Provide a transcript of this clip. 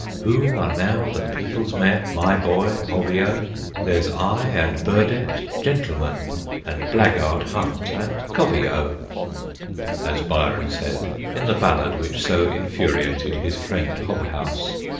' Who are now the people's men, My boy Hobby ? There 's I and Burdett Gentlemen, And blackguard Hunt and Cobby 0,' as Byron said in the ballad which so in furiated his friend Hohhouse.